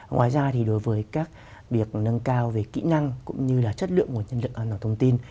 ngoài ra thì đối với các việc nâng cao về kỹ năng cũng như là chất lượng nguồn nhân lực an toàn thông tin